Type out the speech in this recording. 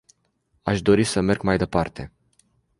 Aș dori să merg mai departe.